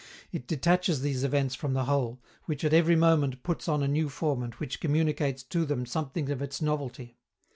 It detaches these events from the whole, which at every moment puts on a new form and which communicates to them something of its novelty.